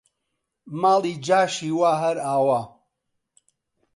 ماڵی جاشی وا هەر ئاوا!